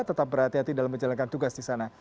tetap berhati hati dalam menjalankan tugas di sana